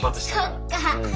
そっか。